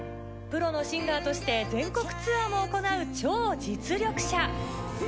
プロのシンガーとして全国ツアーも行う超実力者。